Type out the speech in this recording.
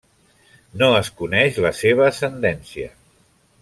No es coneix la seva ascendència.